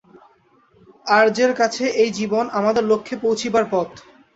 আর্যের কাছে এই জীবন আমাদের লক্ষ্যে পৌঁছিবার পথ।